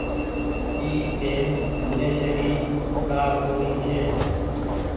اي پين منيشي ري ڪآ ڪونيٚ ڇي۔